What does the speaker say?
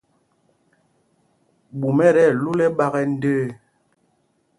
Ɓûm ɛ tí ɛlúl ɛ́ɓāk ɛ ndəə.